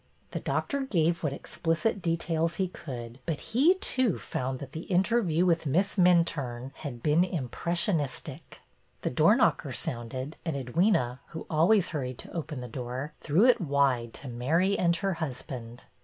The doctor gave what explicit details he could, but he, too, found that the interview with Miss Minturne had been impressionistic." The door knocker sounded, and Edwyna, who always hurried to open the door, threw it wide to Mary and her husband.